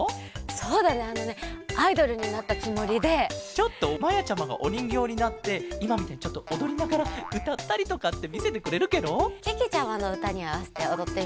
ちょっとまやちゃまがおにんぎょうになっていまみたいにちょっとおどりながらうたったりとかってみせてくれるケロ？けけちゃまのうたにあわせておどってみる？